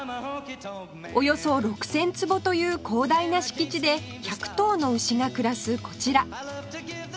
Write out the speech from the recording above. およそ６０００坪という広大な敷地で１００頭の牛が暮らすこちら